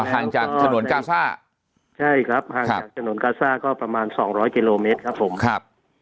ห่างจากถนนกาซ่าใช่ครับห่างจากถนนกาซ่าก็ประมาณสองร้อยกิโลเมตรครับผมครับ